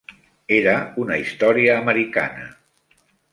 Era una història americana.